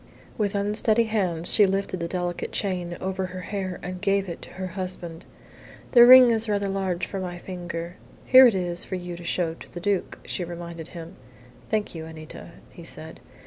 With unsteady hands she lifted the delicate chain over her hair and gave it to her husband. "The ring is rather large for my finger. Here it is for you to show to the Duke," she reminded him. "Thank you, Anita," he said.